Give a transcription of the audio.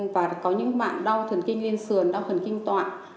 và có những bạn đau thần kinh lên xường đau thần kinh tọa